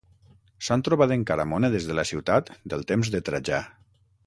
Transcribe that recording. S'han trobat encara monedes de la ciutat del temps de Trajà.